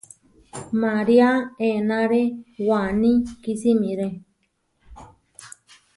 María enáre waní kisimiré.